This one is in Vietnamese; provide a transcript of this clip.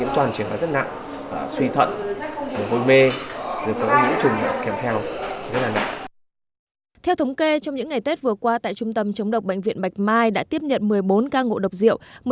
theo thống kê trong những ngày tết vừa qua tại trung tâm chống độc bệnh viện bạch mai đã tiếp nhận một mươi bốn ca ngộ độc rượu